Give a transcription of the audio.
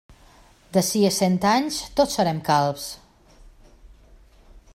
D'ací a cent anys, tots serem calbs.